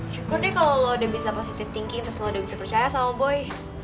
syukur deh kalau lo udah bisa positive thinking terus lo udah bisa percaya sama boy